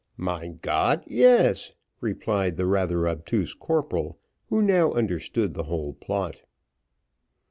"Mein Gott! yes," replied the rather obtuse corporal, who now understood the whole plot.